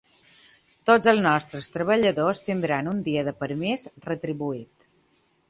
Tots els nostres treballadors tindran un dia de permís retribuït.